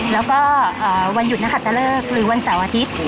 แล้วก็วันหยุดนหัตตะเลิกหรือวันเสาร์อาทิตย์